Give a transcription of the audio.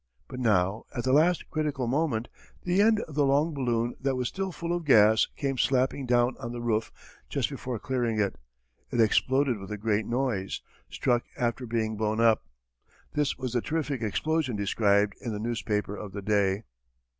But now at the last critical moment, the end of the long balloon that was still full of gas came slapping down on the roof just before clearing it. It exploded with a great noise; struck after being blown up. This was the terrific explosion described in the newspaper of the day.